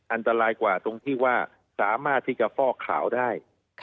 อันตรายกว่าตรงที่ว่าสามารถที่จะฟอกขาวได้